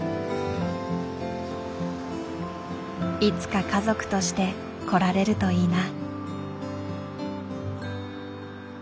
いつか家族として来られるといいな。